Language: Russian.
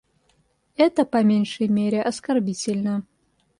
Это, по меньшей мере, оскорбительно.